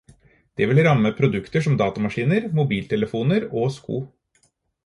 Det vil ramme produkter som datamaskiner, mobiltelefoner og sko.